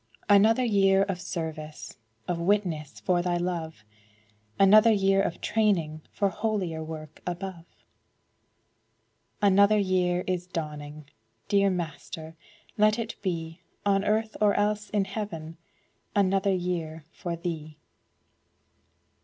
Another year of service, Of witness for Thy love; Another year of training For holier work above. Another year is dawning! Dear Master, let it be On earth, or else in heaven, Another year for Thee!